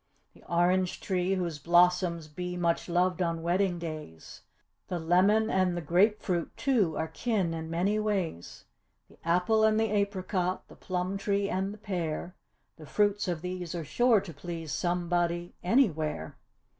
The orange tree, whose blossoms be much loved on wedding days; The lemon and the grape fruit, too, are kin in many ways. The apple and the apricot, the plum tree and the pear; The fruits of these are sure to please somebody, anywhere.